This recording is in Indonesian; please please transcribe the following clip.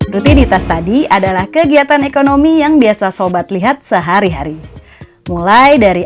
rutinitas tadi adalah kegiatan ekonomi yang biasa sobat lihat sehari hari mulai dari